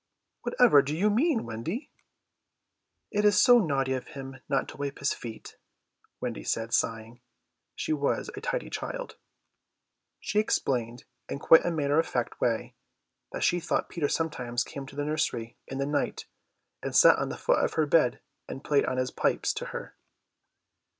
"Whatever do you mean, Wendy?" "It is so naughty of him not to wipe his feet," Wendy said, sighing. She was a tidy child. She explained in quite a matter of fact way that she thought Peter sometimes came to the nursery in the night and sat on the foot of her bed and played on his pipes to her.